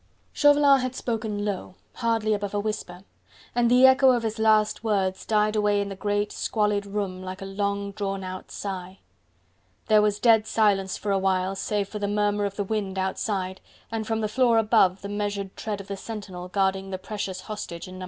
Chauvelin had spoken low, hardly above a whisper, and the echo of his last words died away in the great, squalid room like a long drawn out sigh. There was dead silence for a while save for the murmur in the wind outside and from the floor above the measured tread of the sentinel guarding the precious hostage in No.